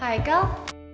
udah enakan belum